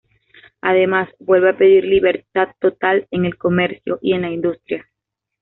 Además, vuelve a pedir libertad total en el comercio y en la industria.